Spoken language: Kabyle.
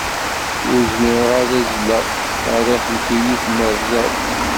Ur zmireɣ ad azzleɣ, ttqerriḥent-iyi twerẓa-w.